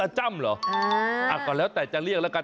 อาจจะจ้ำเหรอก่อนแล้วแต่จะเรียกละกัน